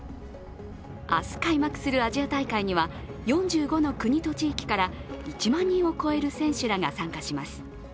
明日開幕するアジア大会には４５の国と地域から１万人を超える選手らが参加します。